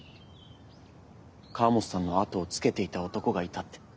河本さんの後をつけていた男がいたって。